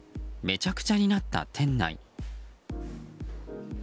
めちゃくちゃになった店内。